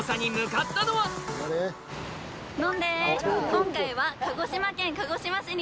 今回は。